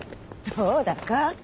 どうだか。